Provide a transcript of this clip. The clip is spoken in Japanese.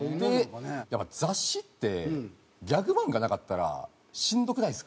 やっぱ雑誌ってギャグ漫画なかったらしんどくないですか？